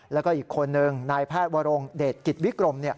แล้วก็อีกคนนึงนายแพทย์วรงเดชกิจวิกรม